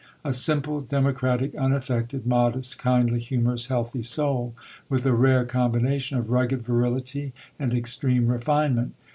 A simple, democratic, unaffected, modest, kindly, humorous, healthy soul, with a rare combination of rugged virility and extreme refinement.